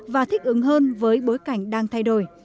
và thích ứng hơn với bối cảnh đang thay đổi